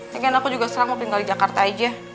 pengen aku juga serang mau tinggal di jakarta aja